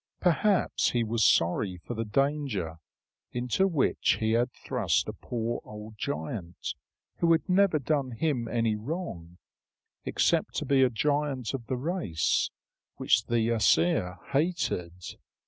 Perhaps he was sorry for the danger into which he had thrust a poor old giant who had never done him any wrong, except to be a giant of the race which the Æsir hated.